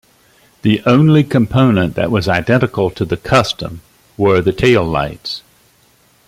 The only component that was identical to the Custom were the tail lights.